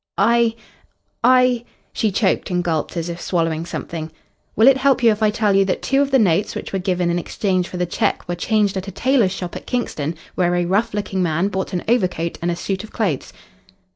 "I I " She choked and gulped as if swallowing something. "Will it help you if I tell you that two of the notes which were given in exchange for the cheque were changed at a tailor's shop at Kingston, where a rough looking man bought an overcoat and a suit of clothes?"